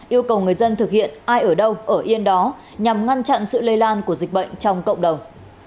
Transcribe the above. yêu cầu người dân thực hiện ai ở đâu ở yên đó nhằm ngăn chặn sự lây lan của dịch bệnh trong cộng đồng